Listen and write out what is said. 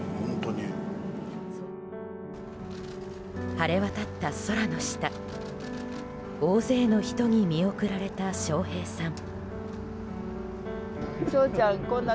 晴れ渡った空の下大勢の人に見送られた笑瓶さん。